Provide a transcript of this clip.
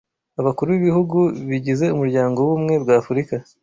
Abakuru b’ibihugu bigize Umuryango w’Ubumwe bw’Afurika